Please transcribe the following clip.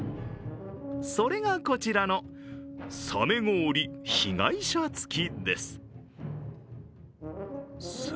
それがこちらの「サメ氷被害者つき」です。